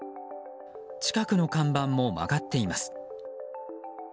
近くの看板も曲がっています。